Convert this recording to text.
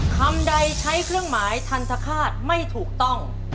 คำใดใช้เครื่องหมายทันทคาตไม่ถูกต้อง